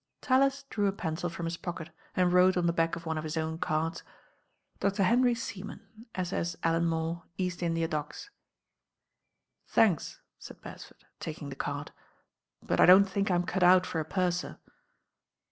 TaUis drew a pencil from his pocket and wrote on the back of one of his own cards:— "Dr. Henry Seaman, S.S. jtllanmore, East India Docks." T r^!".^*'" "^^ Bcresford, taking the card; "but I don t think I'm cut out for a purser."